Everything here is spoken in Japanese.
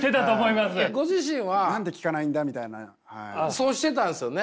そうしてたんですよね。